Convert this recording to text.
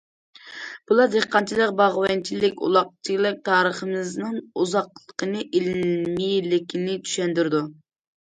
بۇلار دېھقانچىلىق، باغۋەنچىلىك، ئۇلاقچىلىق تارىخىمىزنىڭ ئۇزاقلىقىنى، ئىلمىيلىكىنى چۈشەندۈرىدۇ.